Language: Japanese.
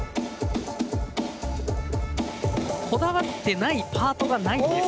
こだわってないパートがないんです。